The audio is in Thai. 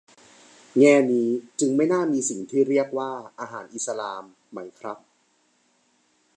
แง่นี้จึงไม่น่ามีสิ่งที่เรียกว่า "อาหารอิสลาม" ไหมครับ